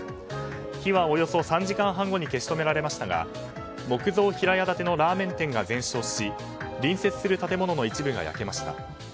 火はおよそ３時間半後に消し止められましたが木造平屋建てのラーメン店が全焼し隣接する建物の一部が焼けました。